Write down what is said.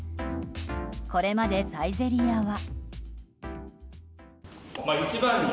これまでサイゼリヤは。